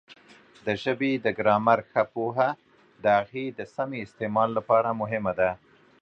د ژبې د ګرامر ښه پوهه د هغې د سمې استعمال لپاره مهمه ده.